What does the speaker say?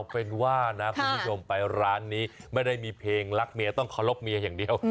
เป็นว่านะคุณผู้ชมไปร้านนี้ไม่ได้มีเพลงรักเมียต้องเคารพเมียอย่างเดียว